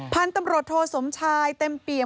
พันธุ์ตำรวจโทสมชายเต็มเปี่ยม